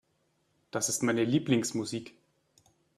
Das ist meine Lieblingsmusik.